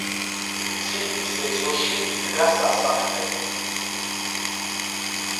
ციხის ეზოში იდგა სასახლე.